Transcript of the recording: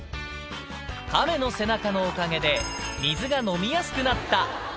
カメの背中のおかげで、水が飲みやすくなった。